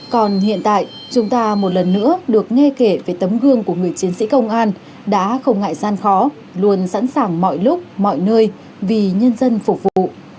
còn hiện tại chúng ta một lần nữa được nghe kể về tấm gương của người chiến sĩ công an đã không ngại gian khó luôn sẵn sàng mọi lúc mọi nơi vì nhân dân phục vụ